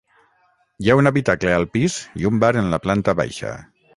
Hi ha un habitacle al pis i un bar en la planta baixa.